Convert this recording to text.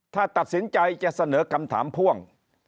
ถ้าตัดสินใจจะเสนอคำถามพ่วง